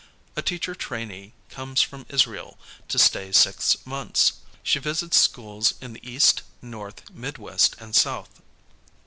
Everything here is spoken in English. A teacher trainee comes from Israel to stay 6 months. She visits schools in the East, North. Midwest, and South.